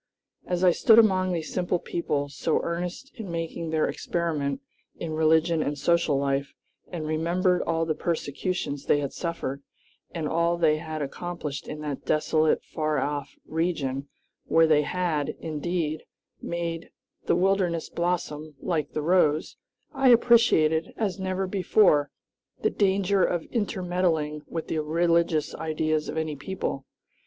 As I stood among these simple people, so earnest in making their experiment in religion and social life, and remembered all the persecutions they had suffered and all they had accomplished in that desolate, far off region, where they had, indeed, made "the wilderness blossom like the rose," I appreciated, as never before, the danger of intermeddling with the religious ideas of any people.